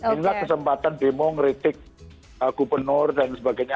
inilah kesempatan demo ngeritik gubernur dan sebagainya